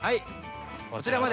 こちらまで！